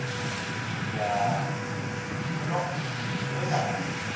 じゃあ布野梅太郎だな。